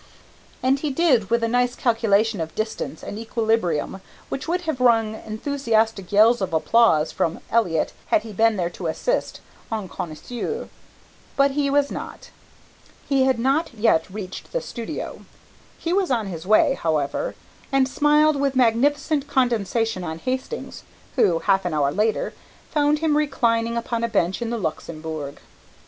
And he did with a nice calculation of distance and equilibrium which would have rung enthusiastic yells of applause from Elliott had he been there to assist en connaisseur. But he was not. He had not yet reached the studio. He was on his way, however, and smiled with magnificent condescension on Hastings, who, half an hour later, found him reclining upon a bench in the Luxembourg.